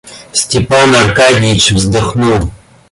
Степан Аркадьич вздохнул.